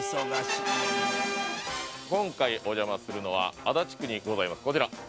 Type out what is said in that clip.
今回お邪魔するのは足立区にございますこちら。